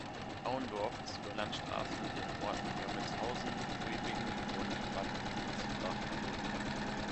Auendorf ist über Landstraßen mit den Orten Gammelshausen, Gruibingen und Bad Ditzenbach verbunden.